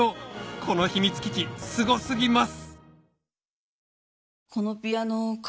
この秘密基地すご過ぎます